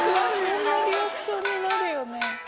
そんなリアクションになるよね。